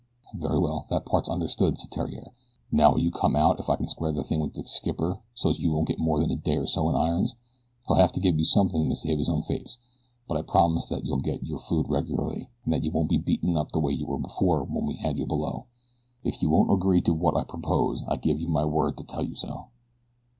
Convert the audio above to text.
"Very well, that part's understood," said Theriere. "Now will you come out if I can square the thing with the skipper so's you won't get more than a day or so in irons he'll have to give you something to save his own face; but I promise that you'll get your food regularly and that you won't be beaten up the way you were before when he had you below. If he won't agree to what I propose I give you my word to tell you so."